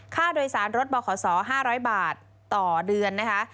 ค่าโดยสารรถบขศ๕๐๐บาทต่อเดือนนะคะ